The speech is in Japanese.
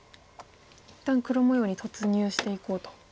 一旦黒模様に突入していこうと。